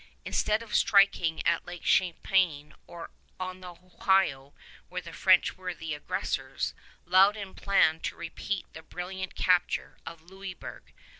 Instead of striking at Lake Champlain or on the Ohio, where the French were aggressors, Loudon planned to repeat the brilliant capture of Louisburg.